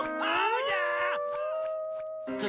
ああ！